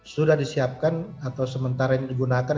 sudah disiapkan atau sementara ini digunakan